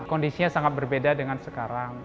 kondisinya sangat berbeda dengan sekarang